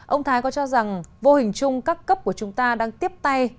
ông thái có cho rằng vô hình chung các cấp của chúng ta đang tiếp tay